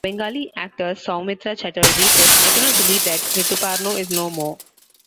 Bengali actor Soumitra Chatterjee said I cannot believe that Rituparno is no more.